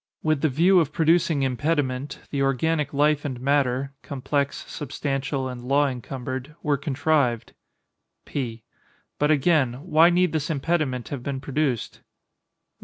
With the view of producing impediment, the organic life and matter, (complex, substantial, and law encumbered,) were contrived. P. But again—why need this impediment have been produced?